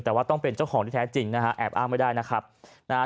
แต่ว่าต้องเป็นเจ้าของที่แท้จริงแอบอ้างไม่ได้